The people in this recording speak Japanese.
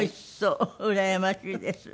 うらやましいです。